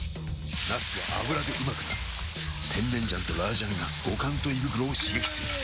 なすは油でうまくなる甜麺醤と辣醤が五感と胃袋を刺激する！